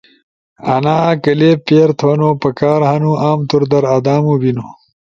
انا کلپ پیر تھونو پکار ہنو۔ عام طور در آدامو بینو